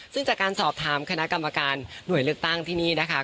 ซึ่งจากการสอบถามคณะกรรมการหน่วยเลือกตั้งที่นี่นะคะ